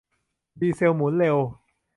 ดีเซลหมุนเร็ว